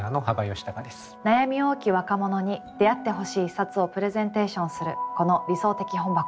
悩み多き若者に出会ってほしい一冊をプレゼンテーションするこの「理想的本箱」。